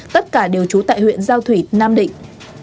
tất cả đều trú tại huyện giao thủy nam định